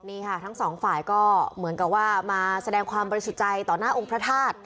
นี่ค่ะทั้งสองฝ่ายก็เหมือนกับว่ามาแสดงความบริสุทธิ์ใจต่อหน้าองค์พระธาตุ